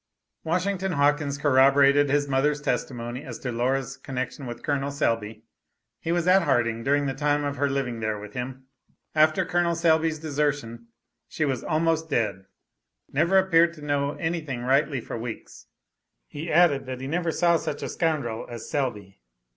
Washington Hawkins corroborated his mother's testimony as to Laura's connection with Col. Selby. He was at Harding during the time of her living there with him. After Col. Selby's desertion she was almost dead, never appeared to know anything rightly for weeks. He added that he never saw such a scoundrel as Selby.